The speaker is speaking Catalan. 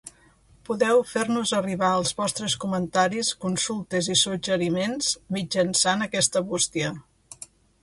Podeu fer-nos arribar els vostres comentaris, consultes i suggeriments mitjançant aquesta Bústia.